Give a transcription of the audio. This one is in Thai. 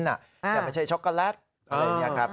อย่าไม่ใช่ช็อกโกแลตอะไรอย่างนี้ครับ